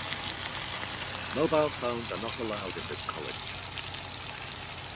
Mobile phones are not allowed in this college.